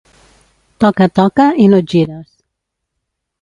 Toca, toca, i no et gires.